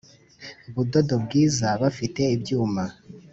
Budodo bwiza bafite ibyuma